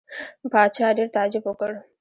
پاچا ډېر تعجب وکړ.